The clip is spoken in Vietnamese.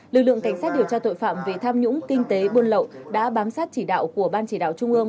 lực lượng cảnh sát điều tra tội phạm về tham nhũng kinh tế buôn lậu đã bám sát chỉ đạo của ban chỉ đạo trung ương